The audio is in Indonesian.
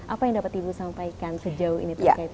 apa yang dapat ibu sampaikan sejauh ini terkait